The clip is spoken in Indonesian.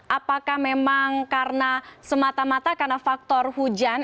apakah memang karena semata mata karena faktor hujan